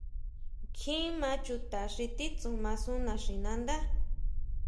Kjín maa chuta xi titsuma sun naxinándá.